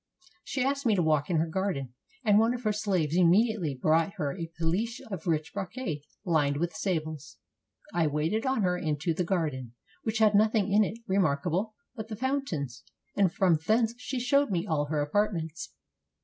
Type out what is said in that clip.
She asked me to walk in her garden, and one of her slaves immediately brought her a pellice of rich brocade lined with sables. I waited on her into the garden, which had nothing in it remarkable but the fountains; and from thence she showed me all her apartments.